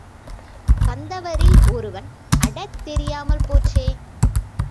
வந்தவரில் ஒருவன் அட தெரியாமல் போச்சே!